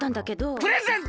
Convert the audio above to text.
プレゼント！